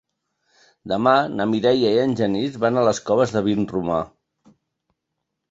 Demà na Mireia i en Genís van a les Coves de Vinromà.